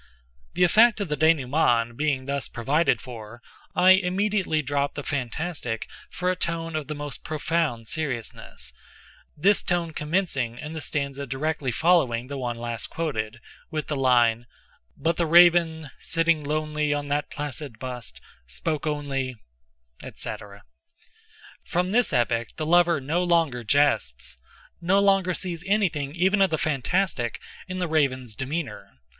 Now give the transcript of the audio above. '"The effect of the dénouement being thus provided for, I immediately drop the fantastic for a tone of the most profound seriousness:—this tone commencing in the stanza directly following the one last quoted, with the line,"But the Raven, sitting lonely on that placid bust, spoke only," etc.From this epoch the lover no longer jests—no longer sees anything even of the fantastic in the Raven's demeanor.